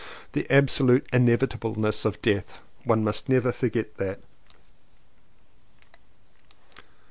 The absolute inevitableness of Death: one must never forget that!